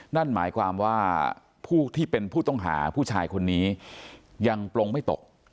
นั่นหมายความว่าผู้ที่เป็นผู้ต้องหาผู้ชายคนนี้ยังปลงไม่ตก